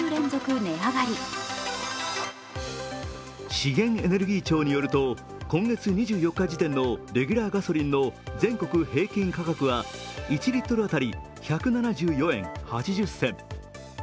資源エネルギー庁によると今月２４日時点のレギュラーガソリンの全国平均価格は１リットル当たり１７４円８０銭。